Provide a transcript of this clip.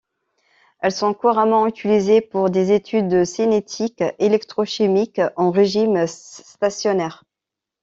Elles sont couramment utilisées pour des études de cinétique électrochimique en régime stationnaire.